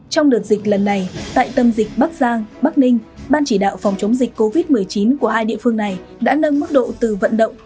trong đợt dịch lần này tại tâm dịch bắc giang bắc ninh ban chỉ đạo phòng chống dịch covid một mươi chín của hai địa phương này đã nâng mức độ từ vận động